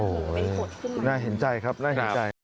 โอ้โหน่าเห็นใจครับน่าเห็นใจ